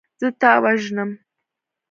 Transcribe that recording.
زه تا وژنم.